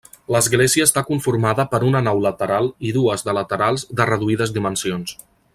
L'església està conformada per una nau lateral i dues de laterals de reduïdes dimensions.